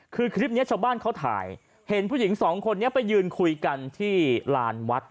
คือคลิปนี้ชาวบ้านเขาถ่ายเห็นผู้หญิงสองคนนี้ไปยืนคุยกันที่ลานวัด